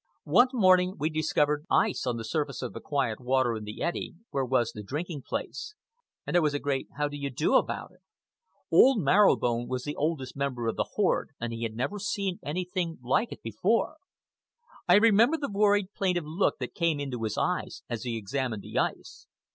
One morning we discovered ice on the surface of the quiet water in the eddy where was the drinking place, and there was a great How do you do about it. Old Marrow Bone was the oldest member of the horde, and he had never seen anything like it before. I remember the worried, plaintive look that came into his eyes as he examined the ice.